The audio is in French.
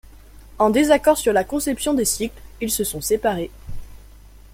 En désaccord sur la conception des cycles; ils se sont séparés.